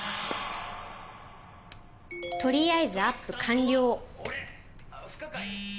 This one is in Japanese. とりあえずアップ完了。